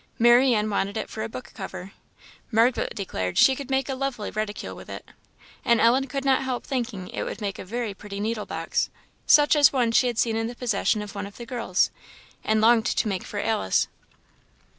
Marianne wanted it for a book cover; Margaret declared she could make a lovely reticule with it; and Ellen could not help thinking it would make a very pretty needlebox, such a one as she had seen in the possession of one of the girls, and longed to make for Alice.